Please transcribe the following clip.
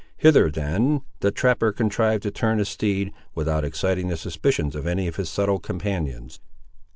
Hither, then, the trapper contrived to turn his steed, without exciting the suspicions of any of his subtle companions.